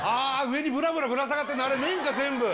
全部、あー、上にぶらぶらぶら下がってるのあれ、麺か、全部。